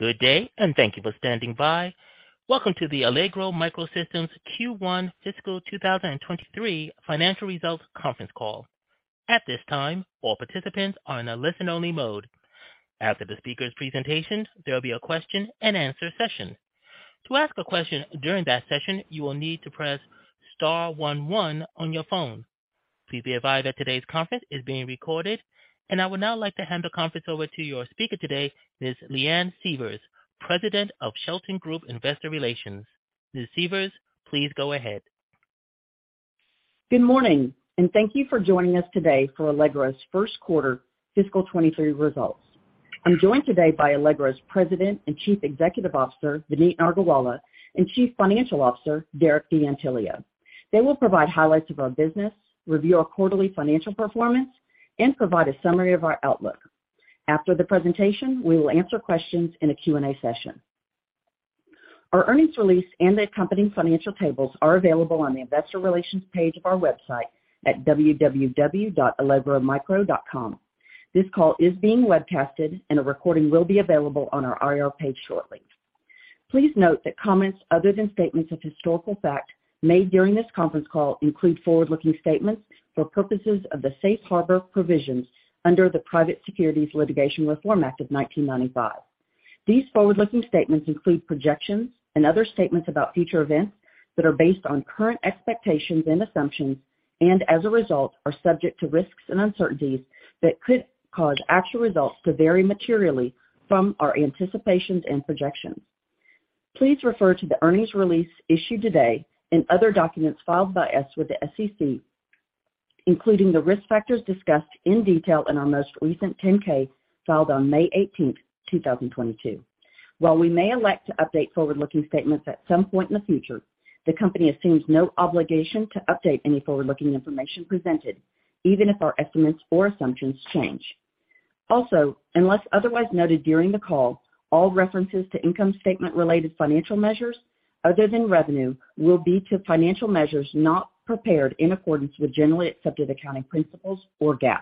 Good day, and thank you for standing by. Welcome to the Allegro MicroSystems Q1 Fiscal 2023 Financial Results Conference Call. At this time, all participants are in a listen-only mode. After the speakers' presentations, there'll be a question-and-answer session. To ask a question during that session, you will need to press star one one on your phone. Please be advised that today's conference is being recorded. I would now like to hand the conference over to your speaker today, Ms. Leanne Sievers, President of Shelton Group Investor Relations. Ms. Leanne Sievers, please go ahead. Good morning, and thank you for joining us today for Allegro's first quarter fiscal 2023 results. I'm joined today by Allegro's President and Chief Executive Officer, Vineet Nargolwala, and Chief Financial Officer, Derek D'Antilio. They will provide highlights of our business, review our quarterly financial performance, and provide a summary of our outlook. After the presentation, we will answer questions in a Q&A session. Our earnings release and the accompanying financial tables are available on the investor relations page of our website at www.allegromicro.com. This call is being webcasted, and a recording will be available on our IR page shortly. Please note that comments other than statements of historical fact made during this conference call include forward-looking statements for purposes of the Safe Harbor Provisions under the Private Securities Litigation Reform Act of 1995. These forward-looking statements include projections and other statements about future events that are based on current expectations and assumptions, and as a result, are subject to risks and uncertainties that could cause actual results to vary materially from our anticipations and projections. Please refer to the earnings release issued today and other documents filed by us with the SEC, including the risk factors discussed in detail in our most recent 10-K filed on May eighteenth, two thousand and twenty-two. While we may elect to update forward-looking statements at some point in the future, the company assumes no obligation to update any forward-looking information presented, even if our estimates or assumptions change. Also, unless otherwise noted during the call, all references to income statement related financial measures other than revenue will be to financial measures not prepared in accordance with generally accepted accounting principles or GAAP.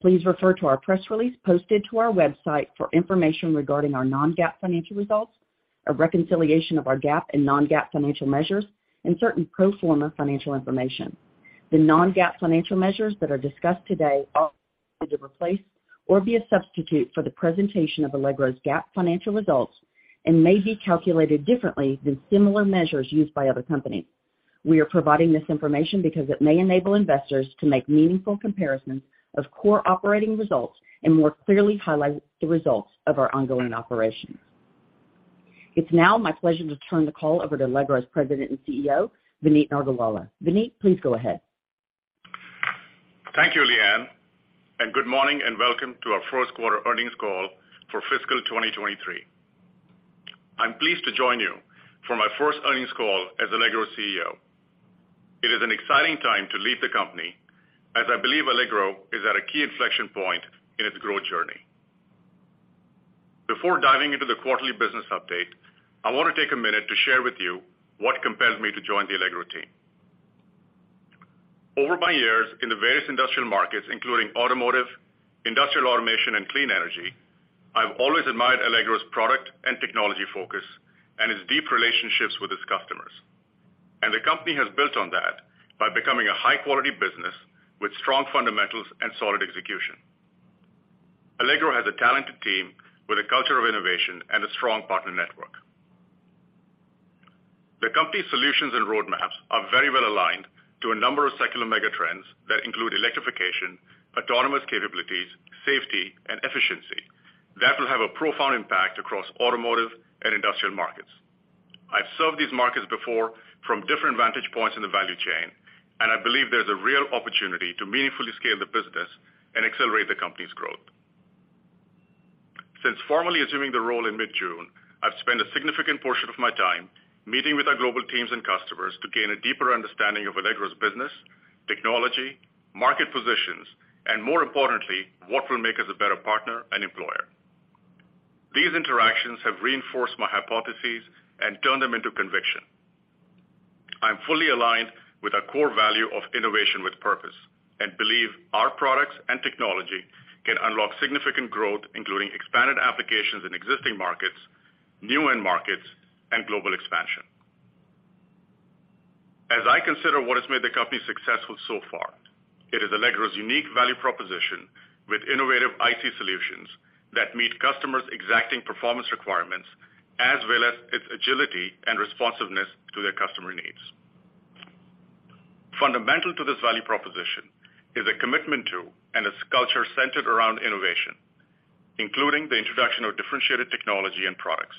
Please refer to our press release posted to our website for information regarding our Non-GAAP financial results, a reconciliation of our GAAP and Non-GAAP financial measures, and certain pro forma financial information. The Non-GAAP financial measures that are discussed today are to replace or be a substitute for the presentation of Allegro's GAAP financial results and may be calculated differently than similar measures used by other companies. We are providing this information because it may enable investors to make meaningful comparisons of core operating results and more clearly highlight the results of our ongoing operations. It's now my pleasure to turn the call over to Allegro's President and CEO, Vineet Nargolwala. Vineet, please go ahead. Thank you, Leanne, and good morning and welcome to our first quarter earnings call for fiscal 2023. I'm pleased to join you for my first earnings call as Allegro's CEO. It is an exciting time to lead the company as I believe Allegro is at a key inflection point in its growth journey. Before diving into the quarterly business update, I wanna take a minute to share with you what compelled me to join the Allegro team. Over my years in the various industrial markets, including automotive, industrial automation, and clean energy, I've always admired Allegro's product and technology focus and its deep relationships with its customers. The company has built on that by becoming a high-quality business with strong fundamentals and solid execution. Allegro has a talented team with a culture of innovation and a strong partner network. The company's solutions and roadmaps are very well aligned to a number of secular mega trends that include electrification, autonomous capabilities, safety, and efficiency that will have a profound impact across automotive and industrial markets. I've served these markets before from different vantage points in the value chain, and I believe there's a real opportunity to meaningfully scale the business and accelerate the company's growth. Since formally assuming the role in mid-June, I've spent a significant portion of my time meeting with our global teams and customers to gain a deeper understanding of Allegro's business, technology, market positions, and more importantly, what will make us a better partner and employer. These interactions have reinforced my hypotheses and turned them into conviction. I'm fully aligned with our core value of innovation with purpose and believe our products and technology can unlock significant growth, including expanded applications in existing markets, new end markets, and global expansion. As I consider what has made the company successful so far, it is Allegro's unique value proposition with innovative IT solutions that meet customers' exacting performance requirements as well as its agility and responsiveness to their customer needs. Fundamental to this value proposition is a commitment to innovation and its culture centered around innovation, including the introduction of differentiated technology and products.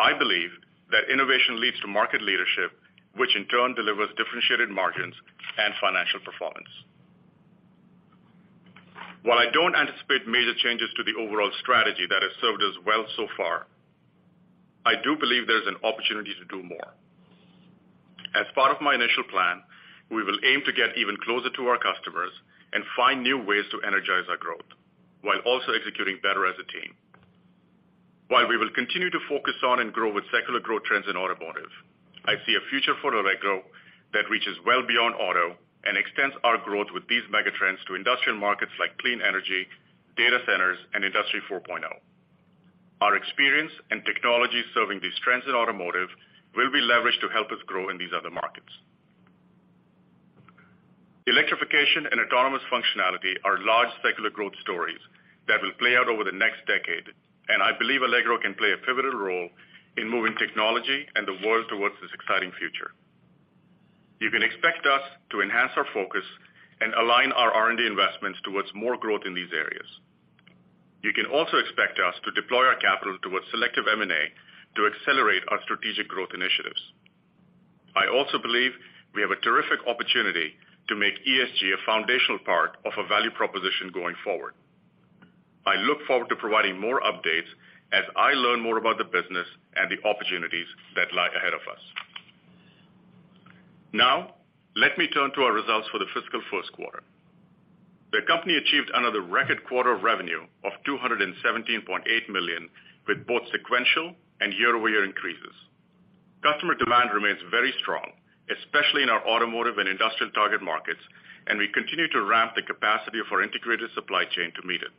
I believe that innovation leads to market leadership, which in turn delivers differentiated margins and financial performance. While I don't anticipate major changes to the overall strategy that has served us well so far, I do believe there's an opportunity to do more. As part of my initial plan, we will aim to get even closer to our customers and find new ways to energize our growth while also executing better as a team. While we will continue to focus on and grow with secular growth trends in automotive. I see a future for Allegro that reaches well beyond auto and extends our growth with these megatrends to industrial markets like clean energy, data centers, and Industry 4.0. Our experience and technology serving these trends in automotive will be leveraged to help us grow in these other markets. Electrification and autonomous functionality are large secular growth stories that will play out over the next decade, and I believe Allegro can play a pivotal role in moving technology and the world towards this exciting future. You can expect us to enhance our focus and align our R&D investments towards more growth in these areas. You can also expect us to deploy our capital towards selective M&A to accelerate our strategic growth initiatives. I also believe we have a terrific opportunity to make ESG a foundational part of our value proposition going forward. I look forward to providing more updates as I learn more about the business and the opportunities that lie ahead of us. Now, let me turn to our results for the fiscal first quarter. The company achieved another record quarter of revenue of $217.8 million, with both sequential and year-over-year increases. Customer demand remains very strong, especially in our automotive and industrial target markets, and we continue to ramp the capacity of our integrated supply chain to meet it.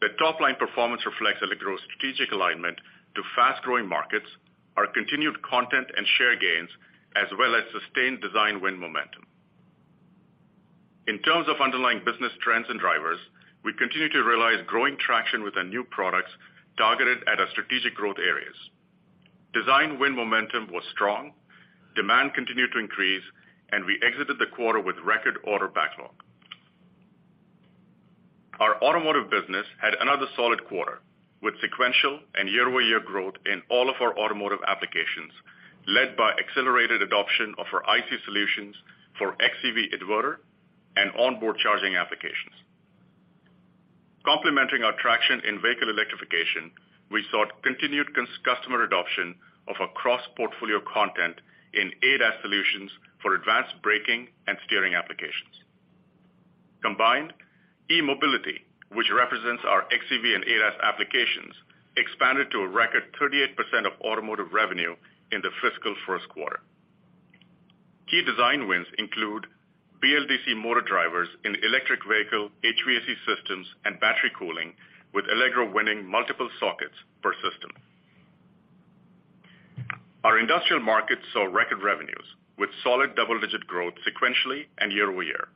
The top-line performance reflects Allegro's strategic alignment to fast-growing markets, our continued content and share gains, as well as sustained design win momentum. In terms of underlying business trends and drivers, we continue to realize growing traction with our new products targeted at our strategic growth areas. Design win momentum was strong, demand continued to increase, and we exited the quarter with record order backlog. Our automotive business had another solid quarter, with sequential and year-over-year growth in all of our automotive applications, led by accelerated adoption of our IC solutions for xEV inverter and onboard charging applications. Complementing our traction in vehicle electrification, we saw continued customer adoption of our cross-portfolio content in ADAS solutions for advanced braking and steering applications. Combined, e-mobility, which represents our xEV and ADAS applications, expanded to a record 38% of automotive revenue in the fiscal first quarter. Key design wins include BLDC motor drivers in electric vehicle, HVAC systems, and battery cooling, with Allegro winning multiple sockets per system. Our industrial markets saw record revenues, with solid double-digit growth sequentially and year over year.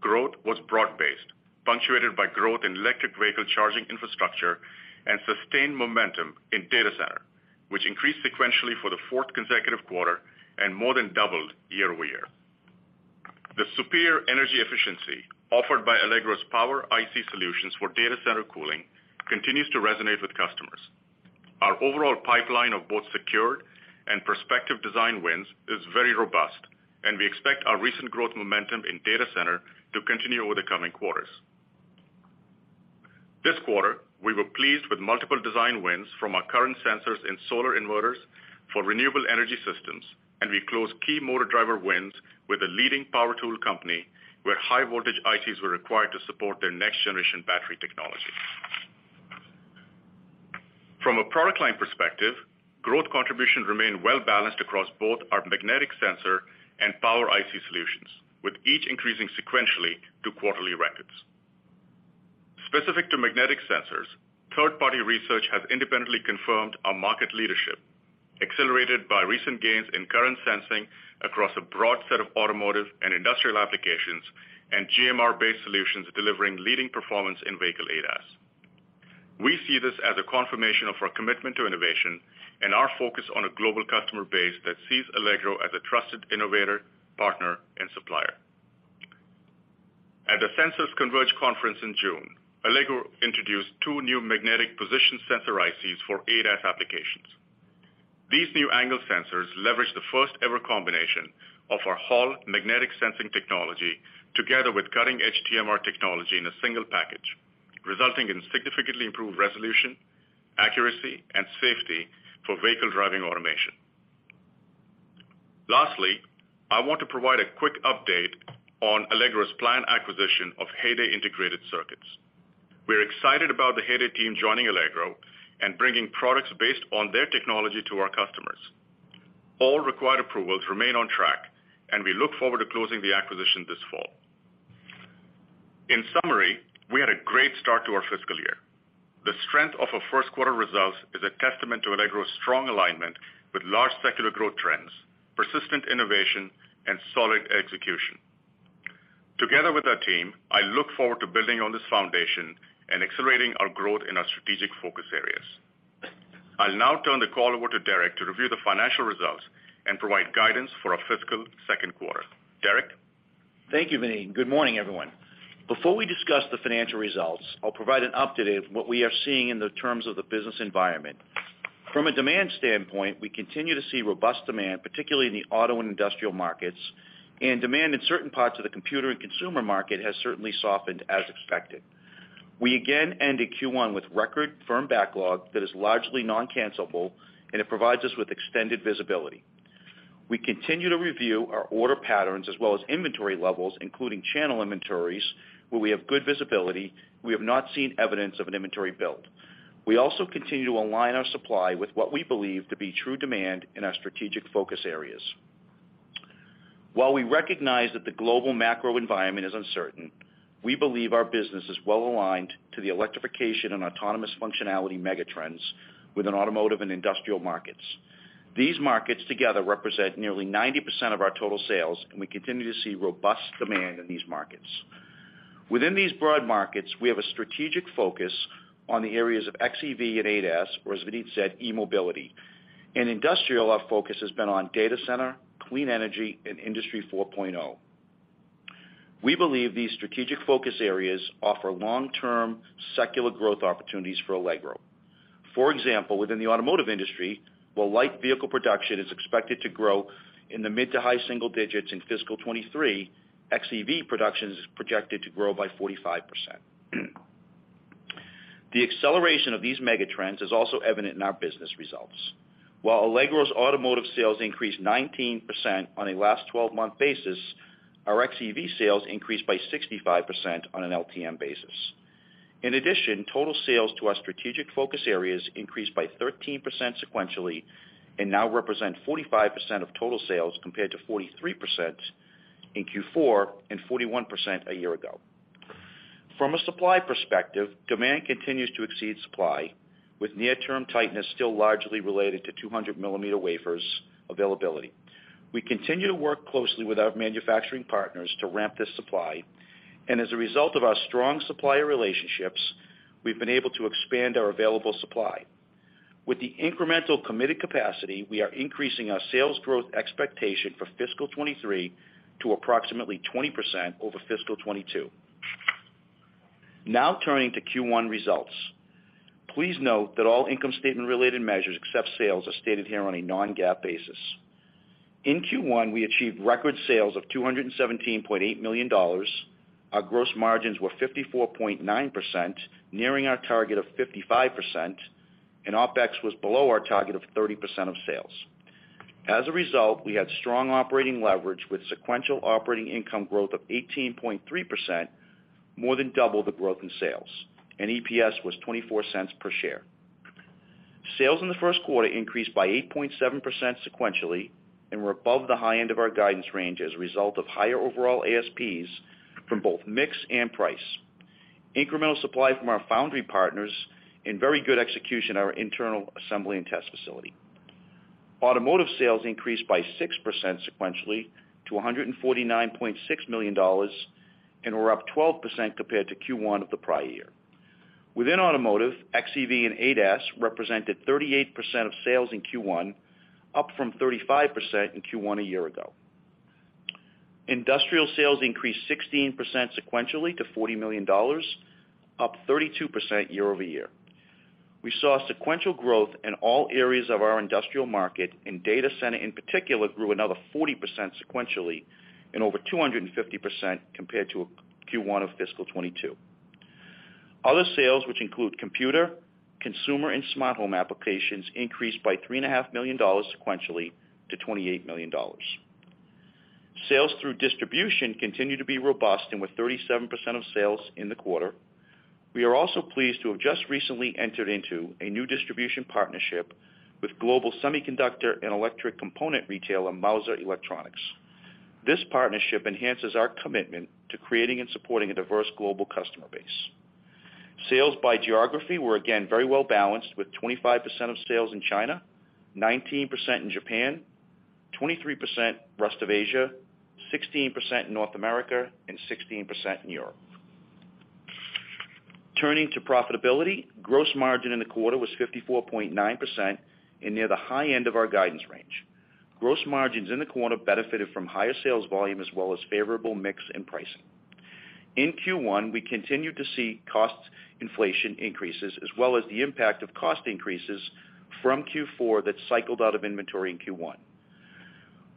Growth was broad-based, punctuated by growth in electric vehicle charging infrastructure and sustained momentum in data center, which increased sequentially for the fourth consecutive quarter and more than doubled year over year. The superior energy efficiency offered by Allegro's power IC solutions for data center cooling continues to resonate with customers. Our overall pipeline of both secured and prospective design wins is very robust, and we expect our recent growth momentum in data center to continue over the coming quarters. This quarter, we were pleased with multiple design wins from our current sensors in solar inverters for renewable energy systems, and we closed key motor driver wins with a leading power tool company, where high voltage ICs were required to support their next-generation battery technology. From a product line perspective, growth contributions remain well-balanced across both our magnetic sensor and power IC solutions, with each increasing sequentially to quarterly records. Specific to magnetic sensors, third-party research has independently confirmed our market leadership, accelerated by recent gains in current sensing across a broad set of automotive and industrial applications and GMR-based solutions delivering leading performance in vehicle ADAS. We see this as a confirmation of our commitment to innovation and our focus on a global customer base that sees Allegro as a trusted innovator, partner, and supplier. At the Sensors Converge conference in June, Allegro introduced two new magnetic position sensor ICs for ADAS applications. These new angle sensors leverage the first-ever combination of our Hall magnetic sensing technology together with cutting-edge TMR technology in a single package, resulting in significantly improved resolution, accuracy, and safety for vehicle driving automation. Lastly, I want to provide a quick update on Allegro's planned acquisition of Heyday Integrated Circuits. We're excited about the Heyday team joining Allegro and bringing products based on their technology to our customers. All required approvals remain on track, and we look forward to closing the acquisition this fall. In summary, we had a great start to our fiscal year. The strength of our first quarter results is a testament to Allegro's strong alignment with large secular growth trends, persistent innovation, and solid execution. Together with our team, I look forward to building on this foundation and accelerating our growth in our strategic focus areas. I'll now turn the call over to Derek to review the financial results and provide guidance for our fiscal second quarter. Derek? Thank you, Vineet, and good morning, everyone. Before we discuss the financial results, I'll provide an update of what we are seeing in terms of the business environment. From a demand standpoint, we continue to see robust demand, particularly in the auto and industrial markets, and demand in certain parts of the computer and consumer market has certainly softened as expected. We again ended Q1 with record firm backlog that is largely non-cancellable, and it provides us with extended visibility. We continue to review our order patterns as well as inventory levels, including channel inventories, where we have good visibility. We have not seen evidence of an inventory build. We also continue to align our supply with what we believe to be true demand in our strategic focus areas. While we recognize that the global macro environment is uncertain, we believe our business is well aligned to the electrification and autonomous functionality megatrends within automotive and industrial markets. These markets together represent nearly 90% of our total sales, and we continue to see robust demand in these markets. Within these broad markets, we have a strategic focus on the areas of xEV and ADAS, or as Vineet said, e-mobility. In industrial, our focus has been on data center, clean energy, and Industry 4.0. We believe these strategic focus areas offer long-term secular growth opportunities for Allegro. For example, within the automotive industry, while light vehicle production is expected to grow in the mid to high single digits in fiscal 2023, xEV production is projected to grow by 45%. The acceleration of these megatrends is also evident in our business results. While Allegro's automotive sales increased 19% on a last twelve-month basis, our xEV sales increased by 65% on an LTM basis. In addition, total sales to our strategic focus areas increased by 13% sequentially and now represent 45% of total sales compared to 43% in Q4 and 41% a year ago. From a supply perspective, demand continues to exceed supply, with near-term tightness still largely related to 200 millimeter wafers availability. We continue to work closely with our manufacturing partners to ramp this supply. As a result of our strong supplier relationships, we've been able to expand our available supply. With the incremental committed capacity, we are increasing our sales growth expectation for fiscal 2023 to approximately 20% over fiscal 2022. Now turning to Q1 results. Please note that all income statement related measures, except sales, are stated here on a non-GAAP basis. In Q1, we achieved record sales of $217.8 million. Our gross margins were 54.9%, nearing our target of 55%, and OpEx was below our target of 30% of sales. As a result, we had strong operating leverage with sequential operating income growth of 18.3%, more than double the growth in sales, and EPS was $0.24 per share. Sales in the first quarter increased by 8.7% sequentially and were above the high end of our guidance range as a result of higher overall ASPs from both mix and price, incremental supply from our foundry partners, and very good execution at our internal assembly and test facility. Automotive sales increased by 6% sequentially to $149.6 million, and were up 12% compared to Q1 of the prior year. Within automotive, xEV and ADAS represented 38% of sales in Q1, up from 35% in Q1 a year ago. Industrial sales increased 16% sequentially to $40 million, up 32% year-over-year. We saw sequential growth in all areas of our industrial market, and data center in particular grew another 40% sequentially and over 250% compared to Q1 of fiscal 2022. Other sales, which include computer, consumer, and smart home applications, increased by $3.5 million sequentially to $28 million. Sales through distribution continue to be robust and with 37% of sales in the quarter. We are also pleased to have just recently entered into a new distribution partnership with global semiconductor and electric component retailer Mouser Electronics. This partnership enhances our commitment to creating and supporting a diverse global customer base. Sales by geography were again very well balanced with 25% of sales in China, 19% in Japan, 23% rest of Asia, 16% in North America, and 16% in Europe. Turning to profitability, gross margin in the quarter was 54.9% and near the high end of our guidance range. Gross margins in the quarter benefited from higher sales volume as well as favorable mix and pricing. In Q1, we continued to see cost inflation increases as well as the impact of cost increases from Q4 that cycled out of inventory in Q1.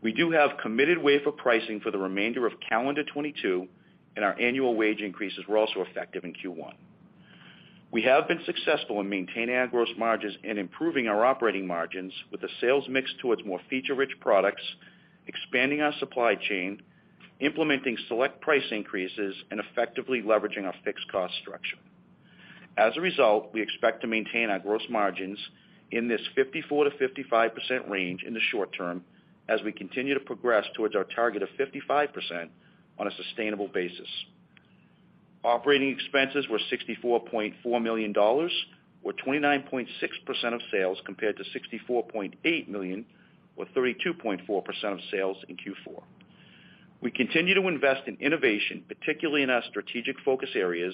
We do have committed wafer pricing for the remainder of calendar 2022, and our annual wage increases were also effective in Q1. We have been successful in maintaining our gross margins and improving our operating margins with a sales mix towards more feature-rich products, expanding our supply chain, implementing select price increases, and effectively leveraging our fixed cost structure. As a result, we expect to maintain our gross margins in this 54%-55% range in the short term as we continue to progress towards our target of 55% on a sustainable basis. Operating expenses were $64.4 million, or 29.6% of sales, compared to $64.8 million, or 32.4% of sales in Q4. We continue to invest in innovation, particularly in our strategic focus areas,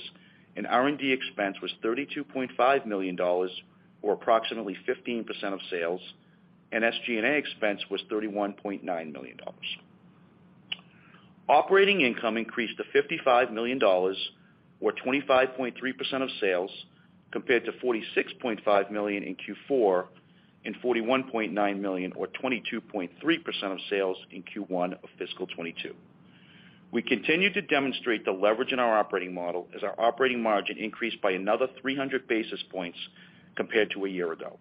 and R&D expense was $32.5 million, or approximately 15% of sales, and SG&A expense was $31.9 million. Operating income increased to $55 million, or 25.3% of sales, compared to $46.5 million in Q4 and $41.9 million, or 22.3% of sales in Q1 of fiscal 2022. We continue to demonstrate the leverage in our operating model as our operating margin increased by another 300 basis points compared to a year ago.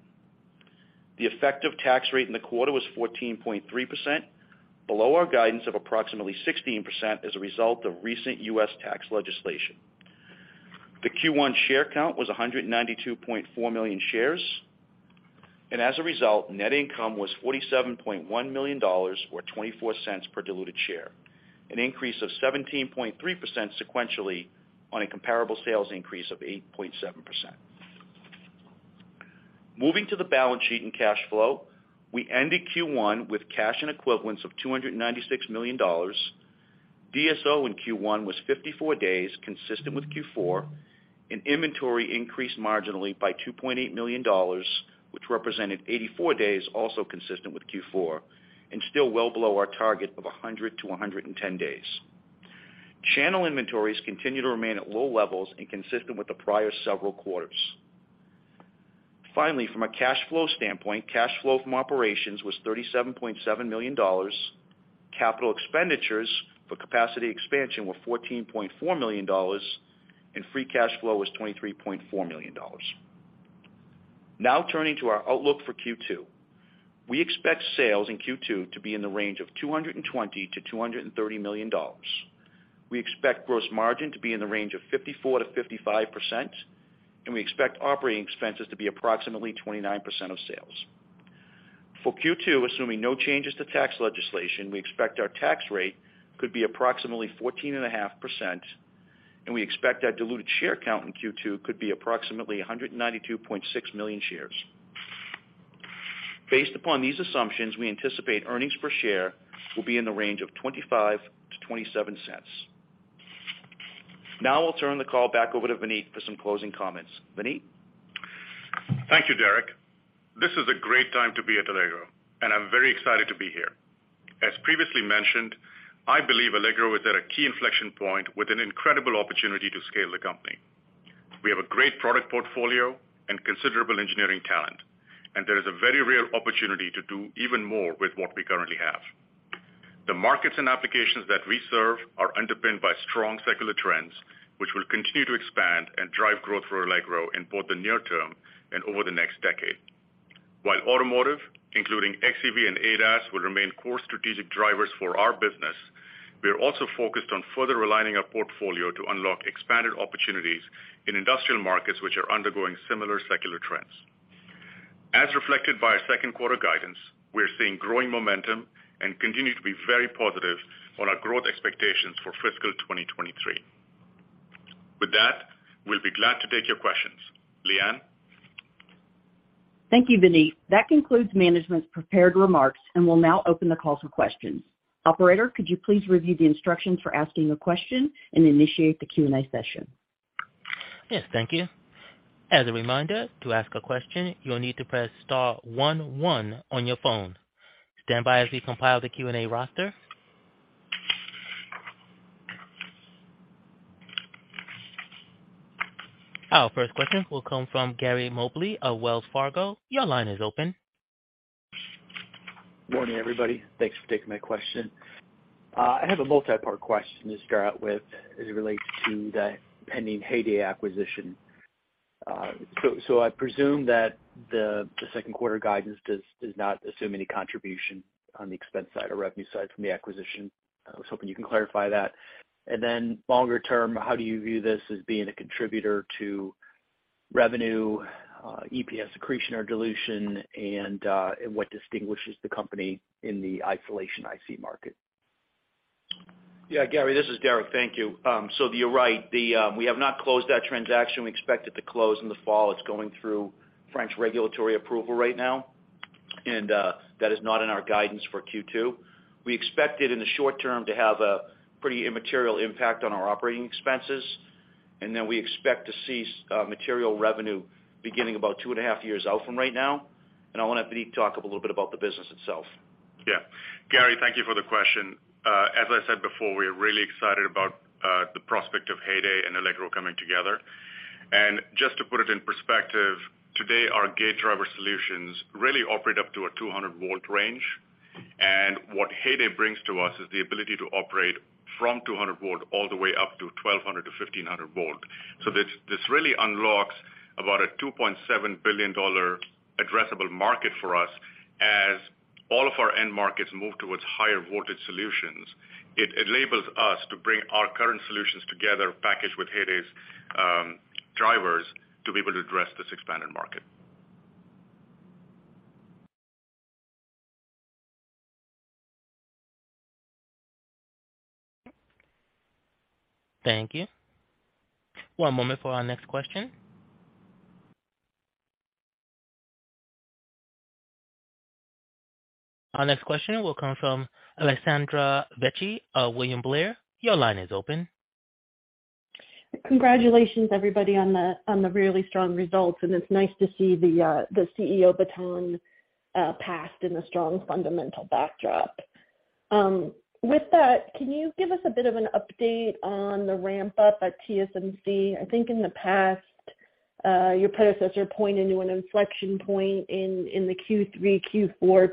The effective tax rate in the quarter was 14.3%, below our guidance of approximately 16% as a result of recent U.S. tax legislation. The Q1 share count was 192.4 million shares, and as a result, net income was $47.1 million, or $0.24 per diluted share, an increase of 17.3% sequentially on a comparable sales increase of 8.7%. Moving to the balance sheet and cash flow, we ended Q1 with cash and equivalents of $296 million. DSO in Q1 was 54 days, consistent with Q4, and inventory increased marginally by $2.8 million, which represented 84 days, also consistent with Q4, and still well below our target of 100-110 days. Channel inventories continue to remain at low levels and consistent with the prior several quarters. Finally, from a cash flow standpoint, cash flow from operations was $37.7 million. Capital expenditures for capacity expansion were $14.4 million, and free cash flow was $23.4 million. Now turning to our outlook for Q2. We expect sales in Q2 to be in the range of $220 million-$230 million. We expect gross margin to be in the range of 54%-55%, and we expect operating expenses to be approximately 29% of sales. For Q2, assuming no changes to tax legislation, we expect our tax rate could be approximately 14.5%, and we expect our diluted share count in Q2 could be approximately 192.6 million shares. Based upon these assumptions, we anticipate earnings per share will be in the range of $0.25-$0.27. Now I'll turn the call back over to Vineet for some closing comments. Vineet? Thank you, Derek. This is a great time to be at Allegro, and I'm very excited to be here. As previously mentioned, I believe Allegro is at a key inflection point with an incredible opportunity to scale the company. We have a great product portfolio and considerable engineering talent, and there is a very real opportunity to do even more with what we currently have. The markets and applications that we serve are underpinned by strong secular trends, which will continue to expand and drive growth for Allegro in both the near term and over the next decade. While automotive, including xEV and ADAS, will remain core strategic drivers for our business, we are also focused on further aligning our portfolio to unlock expanded opportunities in industrial markets which are undergoing similar secular trends. As reflected by our second quarter guidance, we're seeing growing momentum and continue to be very positive on our growth expectations for fiscal 2023. With that, we'll be glad to take your questions. Leanne? Thank you, Vineet. That concludes management's prepared remarks and will now open the call for questions. Operator, could you please review the instructions for asking a question and initiate the Q&A session? Yes, thank you. As a reminder, to ask a question, you'll need to press star one one on your phone. Stand by as we compile the Q&A roster. Our first question will come from Gary Mobley of Wells Fargo. Your line is open. Morning, everybody. Thanks for taking my question. I have a multi-part question to start out with as it relates to the pending Heyday acquisition. So I presume that the second quarter guidance does not assume any contribution on the expense side or revenue side from the acquisition. I was hoping you can clarify that. Longer term, how do you view this as being a contributor to revenue, EPS accretion or dilution and what distinguishes the company in the isolation IC market? Yeah, Gary, this is Derek. Thank you. So you're right. We have not closed that transaction. We expect it to close in the fall. It's going through French regulatory approval right now, and that is not in our guidance for Q2. We expect it in the short term to have a pretty immaterial impact on our operating expenses, and then we expect to see material revenue beginning about two and a half years out from right now. I want to have Vineet talk a little bit about the business itself. Yeah. Gary, thank you for the question. As I said before, we are really excited about the prospect of Heyday and Allegro coming together. Just to put it in perspective, today, our gate driver solutions really operate up to a 200-volt range. What Heyday brings to us is the ability to operate from 200 volts all the way up to 1,200-1,500 volts. This really unlocks about a $2.7 billion addressable market for us as all of our end markets move towards higher voltage solutions. It enables us to bring our current solutions together, packaged with Heyday's drivers, to be able to address this expanded market. Thank you. One moment for our next question. Our next question will come from Alessandra Vecchi of William Blair. Your line is open. Congratulations, everybody, on the really strong results, and it's nice to see the CEO baton passed in a strong fundamental backdrop. With that, can you give us a bit of an update on the ramp up at TSMC? I think in the past your predecessor pointed to an inflection point in the Q3-Q4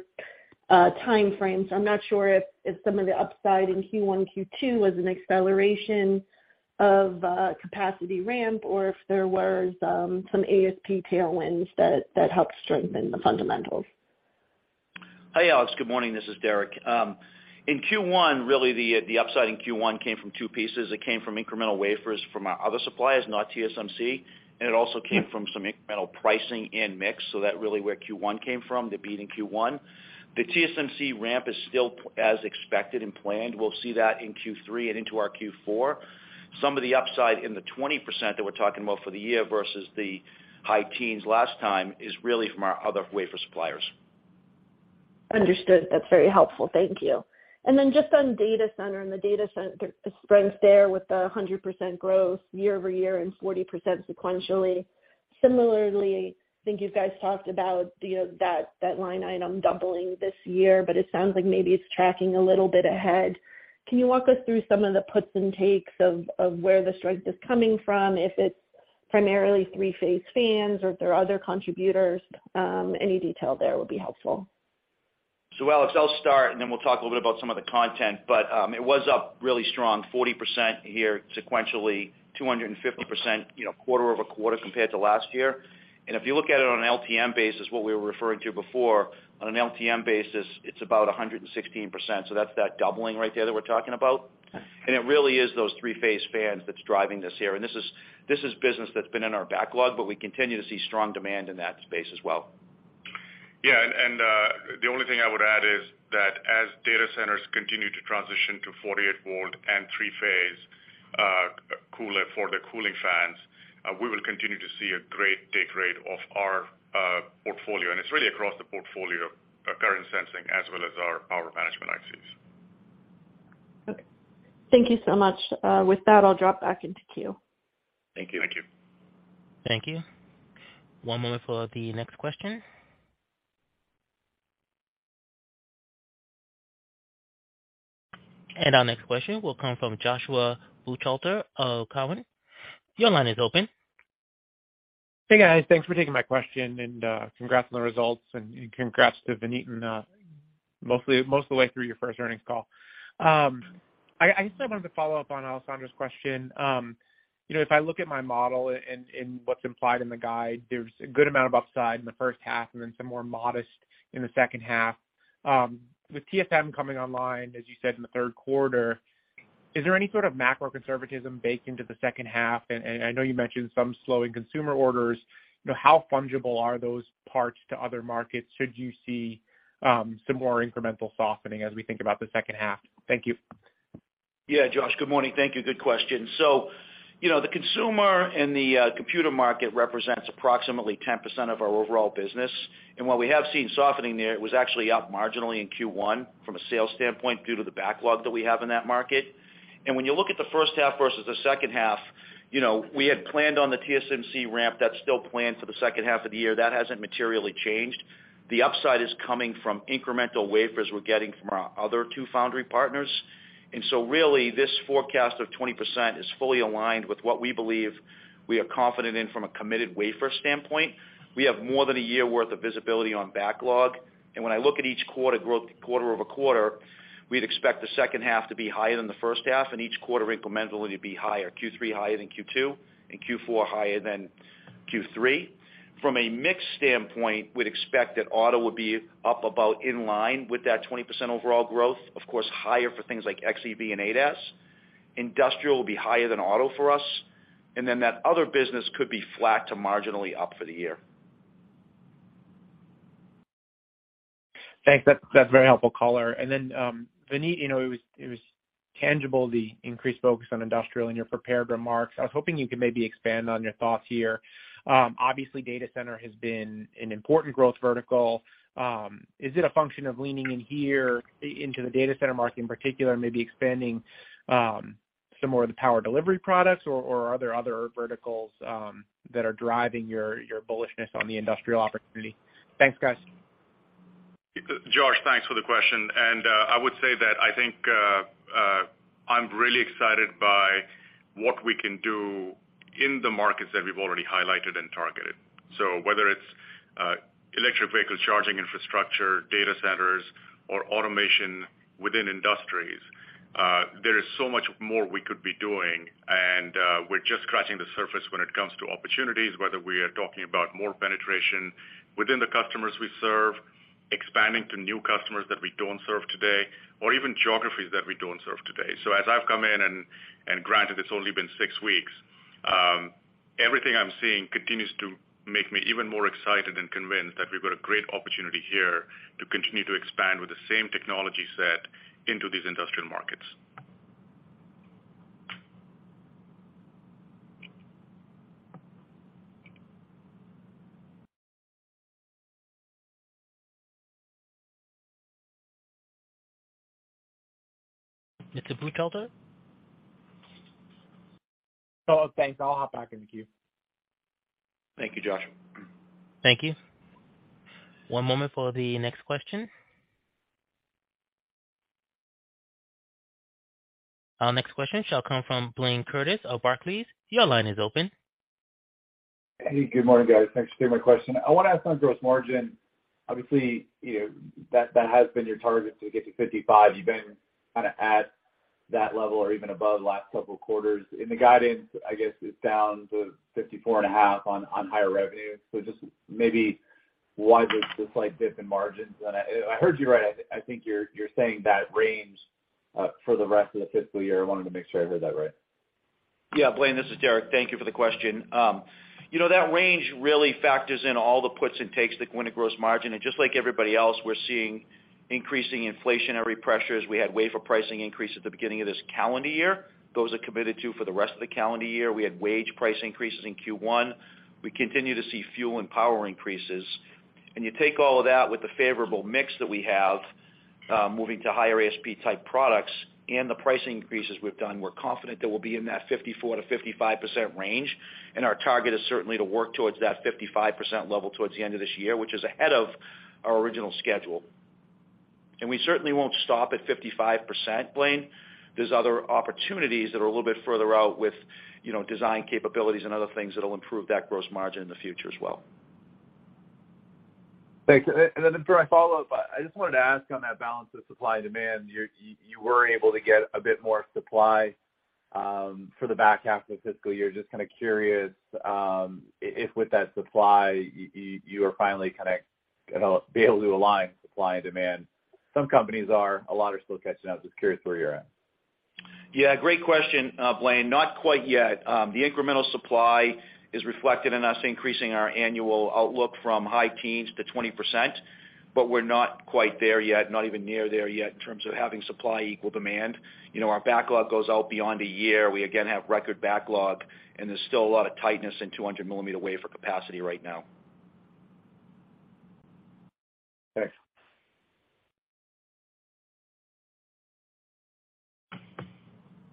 time frame. I'm not sure if some of the upside in Q1, Q2 was an acceleration of capacity ramp or if there was some ASP tailwinds that helped strengthen the fundamentals. Hi, Alex. Good morning. This is Derek. In Q1, really the upside in Q1 came from two pieces. It came from incremental wafers from our other suppliers, not TSMC, and it also came from some incremental pricing and mix. That really where Q1 came from, the beat in Q1. The TSMC ramp is still as expected and planned. We'll see that in Q3 and into our Q4. Some of the upside in the 20% that we're talking about for the year versus the high teens last time is really from our other wafer suppliers. Understood. That's very helpful. Thank you. Then just on data center and the data center strength there with the 100% growth year-over-year and 40% sequentially. Similarly, I think you guys talked about that line item doubling this year, but it sounds like maybe it's tracking a little bit ahead. Can you walk us through some of the puts and takes of where the strength is coming from, if it's primarily three-phase fans or if there are other contributors? Any detail there would be helpful. Alex, I'll start, and then we'll talk a little bit about some of the content, but it was up really strong, 40% year-over-year sequentially, 250%, you know, quarter-over-quarter compared to last year. If you look at it on an LTM basis, what we were referring to before, on an LTM basis, it's about 116%. That's that doubling right there that we're talking about. It really is those three-phase fans that's driving this here. This is business that's been in our backlog, but we continue to see strong demand in that space as well. The only thing I would add is that as data centers continue to transition to 48-volt and three-phase cooler for the cooling fans, we will continue to see a great take rate of our portfolio, and it's really across the portfolio of current sensing as well as our power management ICs. Okay. Thank you so much. With that, I'll drop back into queue. Thank you. Thank you. Thank you. One moment for the next question. Our next question will come from Joshua Buchalter of TD Cowen. Your line is open. Hey, guys. Thanks for taking my question and congrats on the results and congrats to Vineet on most of the way through your first earnings call. I just wanted to follow up on Alessandra's question. You know, if I look at my model and what's implied in the guide, there's a good amount of upside in the first half and then some more modest in the second half. With TSMC coming online, as you said in the third quarter, is there any sort of macro conservatism baked into the second half? I know you mentioned some slowing consumer orders. You know, how fungible are those parts to other markets? Should you see some more incremental softening as we think about the second half? Thank you. Yeah, Josh, good morning. Thank you. Good question. So, you know, the consumer and the computer market represents approximately 10% of our overall business. While we have seen softening there, it was actually up marginally in Q1 from a sales standpoint due to the backlog that we have in that market. When you look at the first half versus the second half, you know, we had planned on the TSMC ramp that's still planned for the second half of the year. That hasn't materially changed. The upside is coming from incremental wafers we're getting from our other two foundry partners. Really, this forecast of 20% is fully aligned with what we believe we are confident in from a committed wafer standpoint. We have more than a year worth of visibility on backlog. When I look at each quarter growth, quarter-over-quarter, we'd expect the second half to be higher than the first half and each quarter incrementally to be higher, Q3 higher than Q2 and Q4 higher than Q3. From a mix standpoint, we'd expect that auto would be up about in line with that 20% overall growth. Of course, higher for things like XEV and ADAS. Industrial will be higher than auto for us. That other business could be flat to marginally up for the year. Thanks. That's very helpful color. Vineet, you know, it was tangible, the increased focus on industrial in your prepared remarks. I was hoping you could maybe expand on your thoughts here. Obviously, data center has been an important growth vertical. Is it a function of leaning in here into the data center market in particular and maybe expanding some more of the power delivery products or are there other verticals that are driving your bullishness on the industrial opportunity? Thanks, guys. Josh, thanks for the question. I would say that I think I'm really excited by what we can do in the markets that we've already highlighted and targeted. Whether it's electric vehicle charging infrastructure, data centers or automation within industries, there is so much more we could be doing, and we're just scratching the surface when it comes to opportunities, whether we are talking about more penetration within the customers we serve, expanding to new customers that we don't serve today or even geographies that we don't serve today. As I've come in and granted it's only been six weeks, everything I'm seeing continues to make me even more excited and convinced that we've got a great opportunity here to continue to expand with the same technology set into these industrial markets. Mr. Buchalter? Oh, thanks. I'll hop back in the queue. Thank you, Josh. Thank you. One moment for the next question. Our next question shall come from Blayne Curtis of Barclays. Your line is open. Hey, good morning, guys. Thanks for taking my question. I wanna ask on gross margin. Obviously, you know, that has been your target to get to 55%. You've been kinda at that level or even above the last couple of quarters. In the guidance, I guess, it's down to 54.5% on higher revenue. Just maybe why the slight dip in margins? I heard you right. I think you're saying that range for the rest of the fiscal year. I wanted to make sure I heard that right. Yeah, Blaine, this is Derek. Thank you for the question. You know, that range really factors in all the puts and takes that go into gross margin. Just like everybody else, we're seeing increasing inflationary pressures. We had wafer pricing increase at the beginning of this calendar year. Those are committed to for the rest of the calendar year. We had wage price increases in Q1. We continue to see fuel and power increases. You take all of that with the favorable mix that we have, moving to higher ASP type products and the pricing increases we've done, we're confident that we'll be in that 54%-55% range, and our target is certainly to work towards that 55% level towards the end of this year, which is ahead of our original schedule. We certainly won't stop at 55%, Blaine. There's other opportunities that are a little bit further out with, you know, design capabilities and other things that'll improve that gross margin in the future as well. Thanks. For my follow-up, I just wanted to ask on that balance of supply and demand, you were able to get a bit more supply for the back half of the fiscal year. Just kinda curious, if with that supply, you are finally kinda gonna be able to align supply and demand. Some companies are. A lot are still catching up. Just curious where you're at. Yeah, great question, Blayne. Not quite yet. The incremental supply is reflected in us increasing our annual outlook from high teens to 20%, but we're not quite there yet, not even near there yet in terms of having supply equal demand. You know, our backlog goes out beyond a year. We again have record backlog, and there's still a lot of tightness in 200-millimeter wafer capacity right now. Thanks.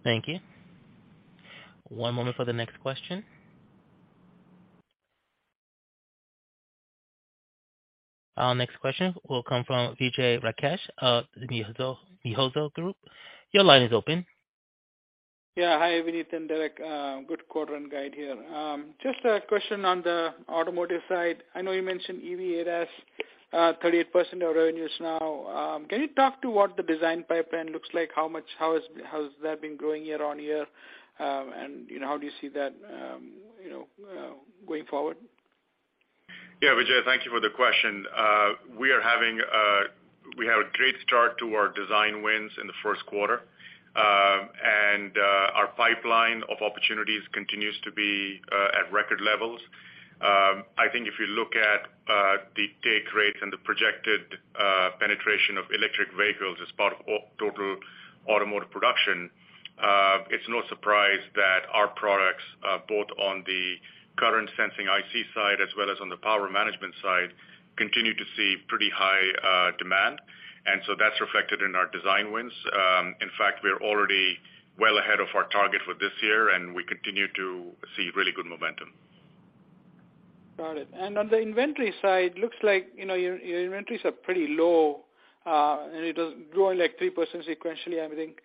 Thank you. One moment for the next question. Our next question will come from Vijay Rakesh of Mizuho Group. Your line is open. Yeah. Hi, Vineet and Derek. Good quarter and guide here. Just a question on the automotive side. I know you mentioned EV ADAS, 38% of revenues now. Can you talk to what the design pipeline looks like? How has that been growing year-over-year? You know, how do you see that, you know, going forward? Yeah, Vijay, thank you for the question. We had a great start to our design wins in the first quarter. Our pipeline of opportunities continues to be at record levels. I think if you look at the take rates and the projected penetration of electric vehicles as part of all total automotive production, it's no surprise that our products both on the current sensing IC side as well as on the power management side continue to see pretty high demand. That's reflected in our design wins. In fact, we're already well ahead of our target for this year, and we continue to see really good momentum. Got it. On the inventory side, looks like, you know, your inventories are pretty low, and it was growing like 3% sequentially, I think.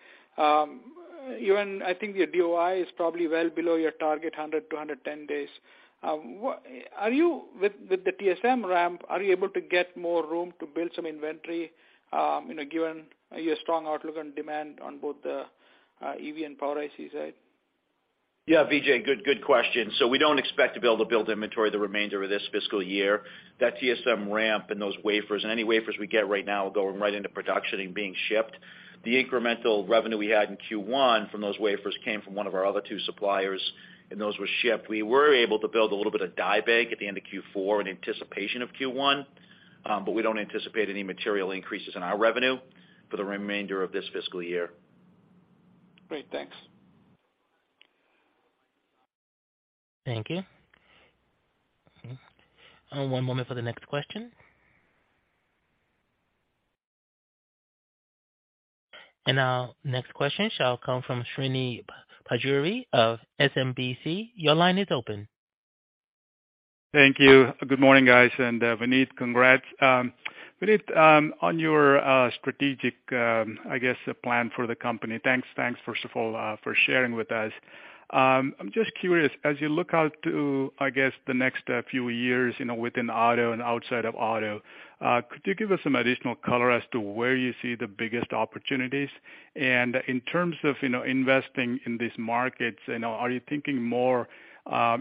Even I think your DOI is probably well below your target 100 to 110 days. Are you with the TSMC ramp, are you able to get more room to build some inventory, you know, given your strong outlook on demand on both the EV and power IC side? Yeah, Vijay, good question. We don't expect to be able to build inventory the remainder of this fiscal year. That TSMC ramp and those wafers, and any wafers we get right now are going right into production and being shipped. The incremental revenue we had in Q1 from those wafers came from one of our other two suppliers, and those were shipped. We were able to build a little bit of die bank at the end of Q4 in anticipation of Q1, but we don't anticipate any material increases in our revenue for the remainder of this fiscal year. Great. Thanks. Thank you. One moment for the next question. Our next question shall come from Srini Pajjuri of SMBC. Your line is open. Thank you. Good morning, guys. Vineet, congrats. Vineet, on your strategic, I guess, plan for the company. Thanks, first of all, for sharing with us. I'm just curious, as you look out to, I guess, the next few years, you know, within auto and outside of auto, could you give us some additional color as to where you see the biggest opportunities? In terms of, you know, investing in these markets, you know, are you thinking more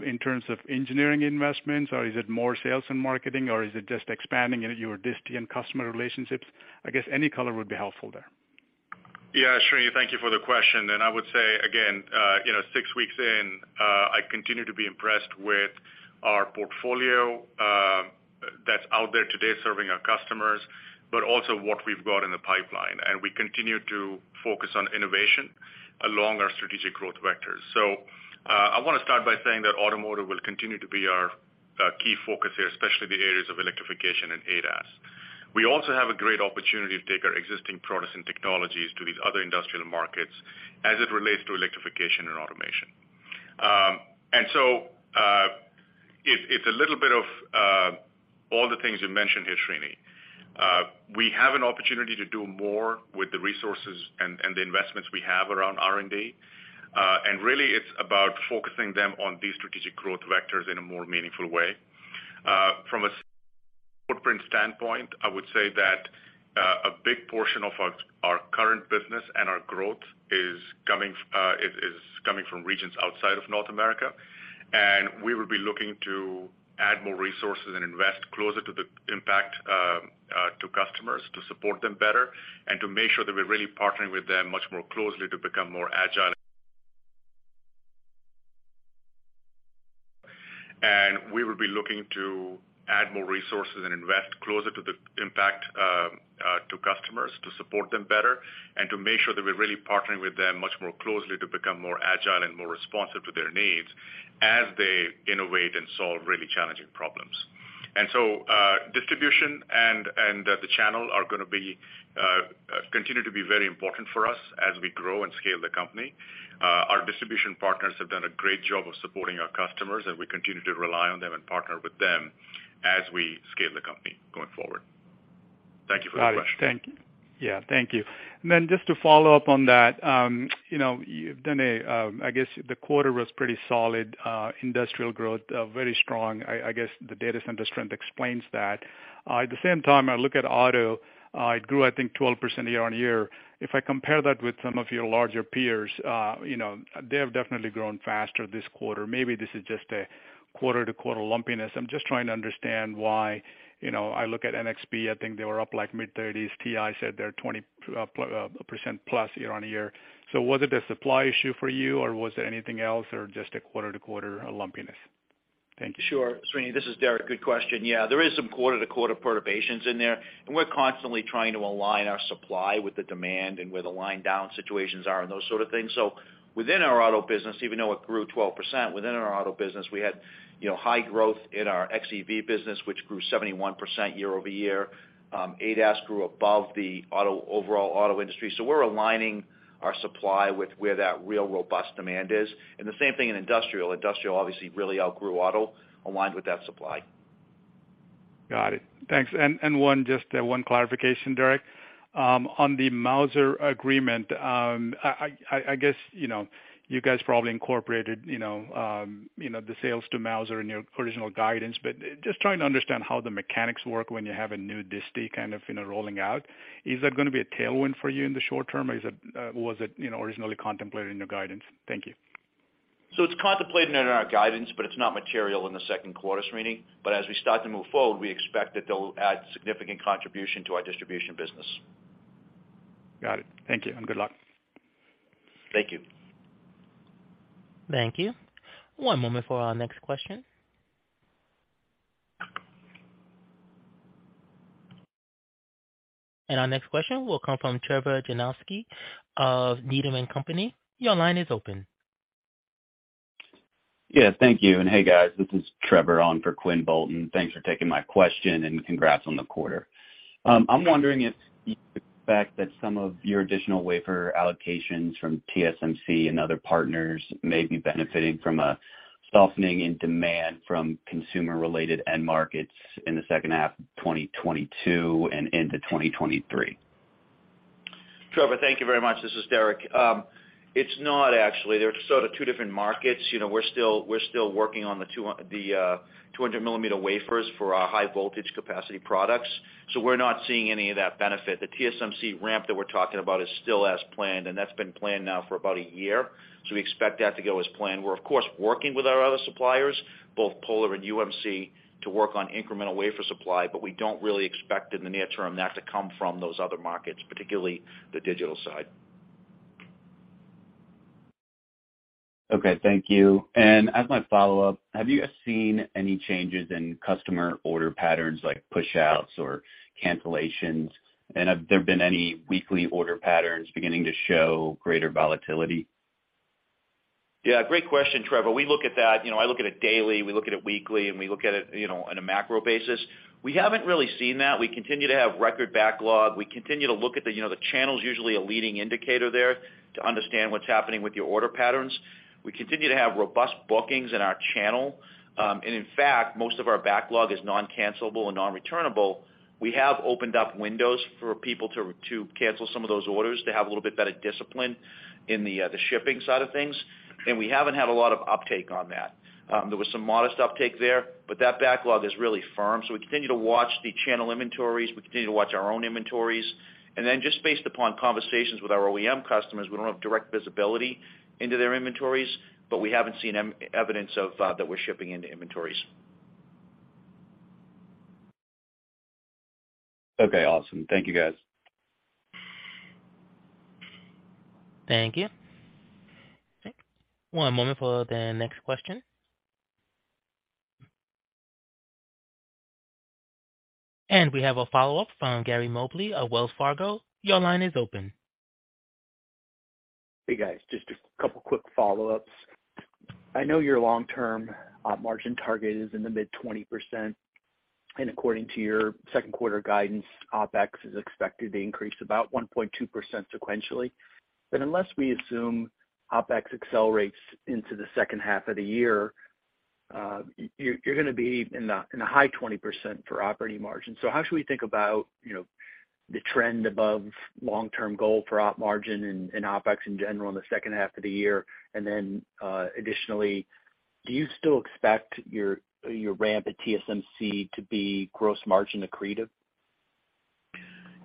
in terms of engineering investments, or is it more sales and marketing, or is it just expanding your disti and customer relationships? I guess any color would be helpful there. Yeah. Srini, thank you for the question. I would say again, you know, six weeks in, I continue to be impressed with our portfolio that's out there today serving our customers, but also what we've got in the pipeline, and we continue to focus on innovation along our strategic growth vectors. I wanna start by saying that automotive will continue to be our key focus here, especially the areas of electrification and ADAS. We also have a great opportunity to take our existing products and technologies to these other industrial markets as it relates to electrification and automation. It's a little bit of all the things you mentioned. We have an opportunity to do more with the resources and the investments we have around R&D. Really it's about focusing them on these strategic growth vectors in a more meaningful way. From a footprint standpoint, I would say that a big portion of our current business and our growth is coming from regions outside of North America, and we will be looking to add more resources and invest closer to the impact to customers to support them better and to make sure that we're really partnering with them much more closely to become more agile and more responsive to their needs as they innovate and solve really challenging problems. Distribution and the channel are gonna continue to be very important for us as we grow and scale the company. Our distribution partners have done a great job of supporting our customers, and we continue to rely on them and partner with them as we scale the company going forward. Thank you for the question. Got it. Thank you. Yeah. Thank you. Just to follow up on that, you know, you've done a, I guess, the quarter was pretty solid, industrial growth, very strong. I guess the data center strength explains that. At the same time, I look at auto, it grew, I think, 12% year-on-year. If I compare that with some of your larger peers, you know, they have definitely grown faster this quarter. Maybe this is just a quarter-to-quarter lumpiness. I'm just trying to understand why. You know, I look at NXP, I think they were up like mid-30s. TI said they're 20% plus year-on-year. Was it a supply issue for you, or was there anything else, or just a quarter-to-quarter lumpiness? Thank you. Sure. Srini, this is Derek. Good question. Yeah, there is some quarter-to-quarter perturbations in there, and we're constantly trying to align our supply with the demand and where the line down situations are and those sort of things. Within our auto business, even though it grew 12%, within our auto business, we had, you know, high growth in our XEV business, which grew 71% year-over-year. ADAS grew above the overall auto industry. We're aligning our supply with where that real robust demand is, and the same thing in industrial. Industrial obviously really outgrew auto, aligned with that supply. Got it. Thanks. One clarification, Derek. On the Mouser agreement, I guess, you know, you guys probably incorporated, you know, the sales to Mouser in your original guidance, but just trying to understand how the mechanics work when you have a new distie kind of, you know, rolling out. Is that gonna be a tailwind for you in the short term, or was it, you know, originally contemplated in your guidance? Thank you. It's contemplated in our guidance, but it's not material in the second quarter, Srini. As we start to move forward, we expect that they'll add significant contribution to our distribution business. Got it. Thank you. Good luck. Thank you. Thank you. One moment for our next question. Our next question will come from Trevor Janosky of Needham & Company. Your line is open. Yes, thank you. Hey, guys, this is Trevor on for Quinn Bolton. Thanks for taking my question, and congrats on the quarter. I'm wondering if the fact that some of your additional wafer allocations from TSMC and other partners may be benefiting from a softening in demand from consumer-related end markets in the second half of 2022 and into 2023? Trevor, thank you very much. This is Derek. It's not actually. They're sort of two different markets. You know, we're still working on the 200 millimeter wafers for our high voltage capacity products. We're not seeing any of that benefit. The TSMC ramp that we're talking about is still as planned, and that's been planned now for about a year. We expect that to go as planned. We're of course working with our other suppliers, both Polar and UMC, to work on incremental wafer supply, but we don't really expect in the near term that to come from those other markets, particularly the digital side. Okay. Thank you. As my follow-up, have you guys seen any changes in customer order patterns like pushouts or cancellations? Have there been any weekly order patterns beginning to show greater volatility? Yeah, great question, Trevor. We look at that. You know, I look at it daily, we look at it weekly, and we look at it, you know, on a macro basis. We haven't really seen that. We continue to have record backlog. We continue to look at the, you know, the channel's usually a leading indicator there to understand what's happening with your order patterns. We continue to have robust bookings in our channel. In fact, most of our backlog is non-cancelable and non-returnable. We have opened up windows for people to cancel some of those orders to have a little bit better discipline in the shipping side of things, and we haven't had a lot of uptake on that. There was some modest uptake there, but that backlog is really firm. We continue to watch the channel inventories. We continue to watch our own inventories. Just based upon conversations with our OEM customers, we don't have direct visibility into their inventories, but we haven't seen evidence of that we're shipping into inventories. Okay, awesome. Thank you, guys. Thank you. One moment for the next question. We have a follow-up from Gary Mobley of Wells Fargo. Your line is open. Hey, guys, just a couple quick follow-ups. I know your long-term margin target is in the mid-20%, and according to your second quarter guidance, OpEx is expected to increase about 1.2% sequentially. Unless we assume OpEx accelerates into the second half of the year. You're gonna be in the high 20% for operating margin. How should we think about, you know, the trend above long-term goal for op margin and OpEx in general in the second half of the year? Additionally, do you still expect your ramp at TSMC to be gross margin accretive?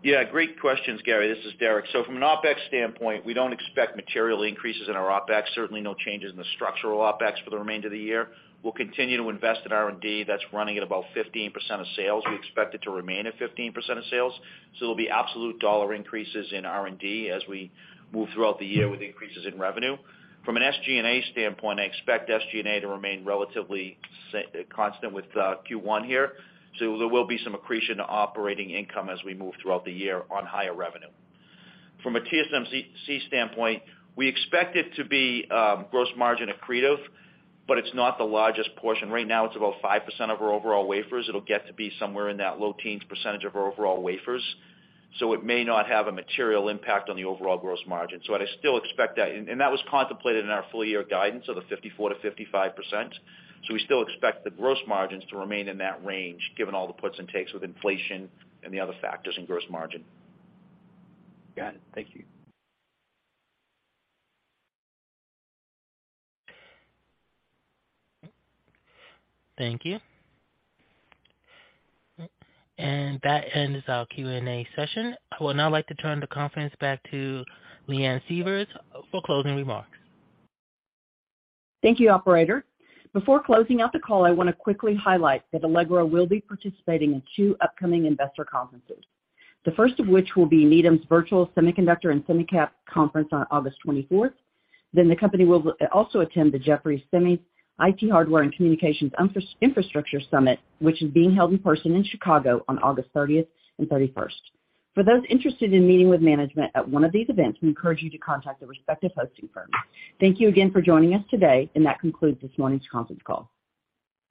Yeah, great questions, Gary. This is Derek. From an OpEx standpoint, we don't expect material increases in our OpEx, certainly no changes in the structural OpEx for the remainder of the year. We'll continue to invest in R&D. That's running at about 15% of sales. We expect it to remain at 15% of sales, so there'll be absolute dollar increases in R&D as we move throughout the year with increases in revenue. From an SG&A standpoint, I expect SG&A to remain relatively constant with Q1 here, so there will be some accretion to operating income as we move throughout the year on higher revenue. From a TSMC standpoint, we expect it to be gross margin accretive, but it's not the largest portion. Right now, it's about 5% of our overall wafers. It'll get to be somewhere in that low teens% of our overall wafers, so it may not have a material impact on the overall gross margin. I still expect that, and that was contemplated in our full-year guidance of the 54%-55%. We still expect the gross margins to remain in that range given all the puts and takes with inflation and the other factors in gross margin. Got it. Thank you. Thank you. That ends our Q&A session. I would now like to turn the conference back to Leanne Sievers for closing remarks. Thank you, operator. Before closing out the call, I wanna quickly highlight that Allegro will be participating in two upcoming investor conferences, the first of which will be Needham Virtual Semiconductor & SemiCap Conference on August 24. The company will also attend the Jefferies Semis, IT Hardware & Comm Tech Conference, which is being held in person in Chicago on August 30 and 31. For those interested in meeting with management at one of these events, we encourage you to contact the respective hosting firms. Thank you again for joining us today, and that concludes this morning's conference call.